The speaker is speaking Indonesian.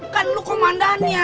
kan lo komandannya